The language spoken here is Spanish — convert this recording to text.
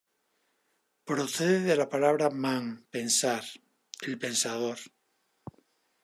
Procede de la palabra man, "pensar"; el Pensador.